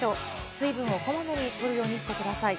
水分をこまめにとるようにしてください。